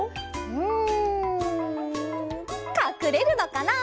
うんかくれるのかな？